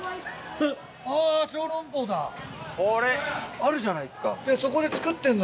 あるじゃないですか。